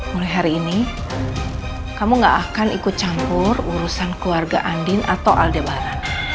mulai hari ini kamu gak akan ikut campur urusan keluarga andin atau aldebaran